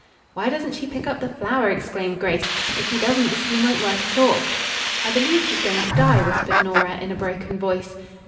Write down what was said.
"Why doesn't she pick up the flower?" exclaimed Grace. "If she doesn't the scheme won't work at all." "I believe she's going to die," whispered Nora in a broken voice.